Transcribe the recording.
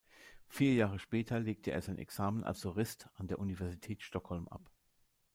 Vier Jahre später legte er sein Examen als Jurist an der Universität Stockholm ab.